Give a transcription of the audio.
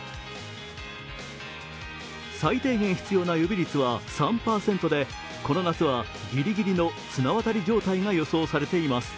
最低限必要な予備率は３％で、この夏はギリギリの綱渡り状態が予想されています。